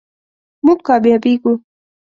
مونږ کامیابیږو